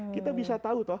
kita bisa tahu